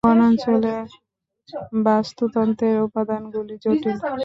বনাঞ্চলের বাস্তুতন্ত্রের উপাদানগুলি জটিল।